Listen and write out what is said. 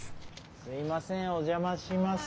すいませんお邪魔します。